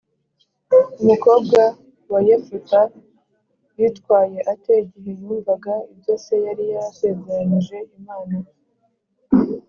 Umukobwa wa Yefuta yitwaye ate igihe yumvaga ibyo se yari yasezeranyije Imana